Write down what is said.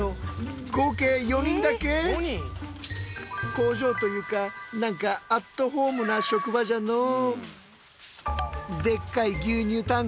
工場というか何かアットホームな職場じゃのう。